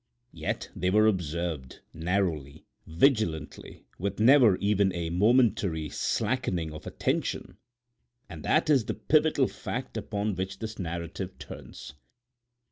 Yet they were observed, narrowly, vigilantly, with never even a momentary slackening of attention; and that is the pivotal fact upon which this narrative turns.